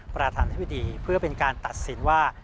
ประธานธิบดีเพื่อเป็นการตัดสินว่า